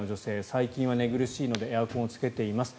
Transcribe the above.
最近は寝苦しいのでエアコンをつけています。